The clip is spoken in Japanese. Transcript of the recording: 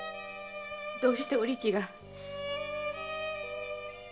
どうしてお力は。